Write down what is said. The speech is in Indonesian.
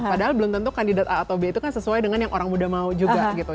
padahal belum tentu kandidat a atau b itu kan sesuai dengan yang orang muda mau juga gitu